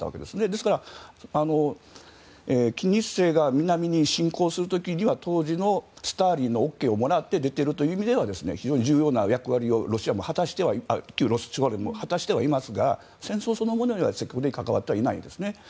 ですから、金日成が南に侵攻する時には、当時のスターリンのＯＫをもらってＯＫをもらって出ているという非常に重要な役割をロシアも果たしていはいますが戦争そのものよりは積極的に関わっていないんですよね。